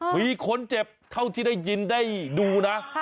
มีคนเจ็บเท่าที่ได้ยินได้ดูนะ